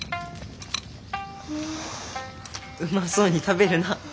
うまそうに食べるな。